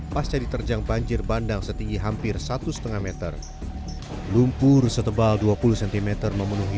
pasca diterjang banjir bandang setinggi hampir satu setengah meter lumpur setebal dua puluh cm memenuhi